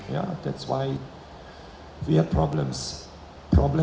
ya itulah sebabnya kita ada masalah